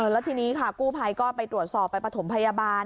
แล้วทีนี้ค่ะกู้ภัยก็ไปตรวจสอบไปประถมพยาบาล